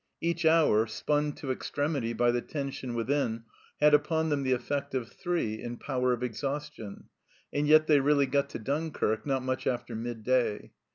Each hour, spun to extremity by the tension within, had upon them the effect of three in power of ex haustion, and yet they really got to Dunkirk not much after midday.